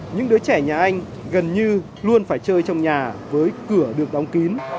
những đứa trẻ nhà anh gần như luôn phải chơi trong nhà với cửa được đóng kín